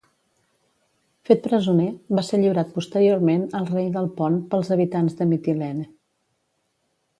Fet presoner, va ser lliurat posteriorment al rei del Pont pels habitants de Mitilene.